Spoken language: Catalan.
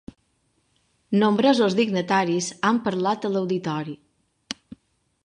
Nombrosos dignataris han parlat a l'Auditori.